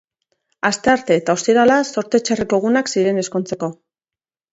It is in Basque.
Asteartea eta ostirala zorte txarreko egunak ziren ezkontzeko.